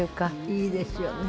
いいですよね。